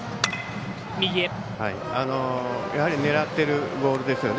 やはり狙ってるボールですよね。